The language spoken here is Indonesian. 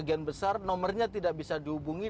bagian besar nomernya tidak bisa dihubungi